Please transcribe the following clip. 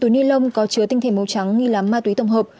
năm túi ni lông có chứa tinh thể màu trắng nghi lắm ma túy tổng hợp